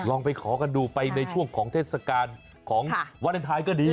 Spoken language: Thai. ลองไปขอกันดูไปในช่วงของเทศกาลของวาเลนไทยก็ดี